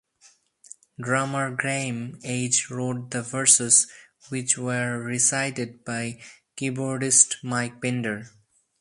Drummer Graeme Edge wrote the verses, which were recited by keyboardist Mike Pinder.